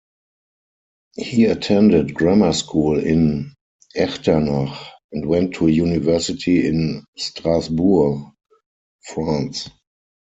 He attended grammar school in Echternach and went to university in Strasbourg, France.